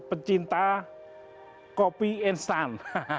pecinta kopi instan